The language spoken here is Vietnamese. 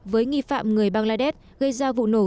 với nghi phạm người bangladesh gây ra vụ nổ